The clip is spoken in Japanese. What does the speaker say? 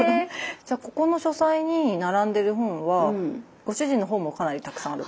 じゃあここの書斎に並んでる本はご主人の本もかなりたくさんある。